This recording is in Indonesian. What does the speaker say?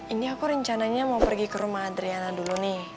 ini aku rencananya mau pergi ke rumah adriana dulu nih